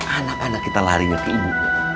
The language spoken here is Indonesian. anak anak kita larinya ke ibu